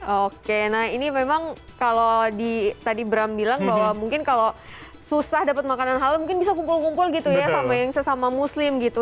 oke nah ini memang kalau tadi bram bilang bahwa mungkin kalau susah dapat makanan halal mungkin bisa kumpul kumpul gitu ya sama yang sesama muslim gitu